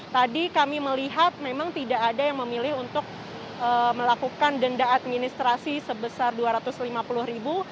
tadi kami melihat memang tidak ada yang memilih untuk melakukan denda administrasi sebesar dua ratus lima puluh ribu